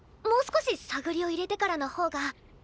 もう少し探りを入れてからの方が。